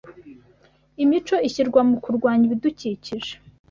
imico ishyirwaho mu kurwanya ibidukikije